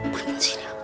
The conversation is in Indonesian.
perut sini aku